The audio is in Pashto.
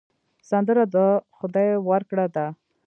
سندره د خدای ورکړه ده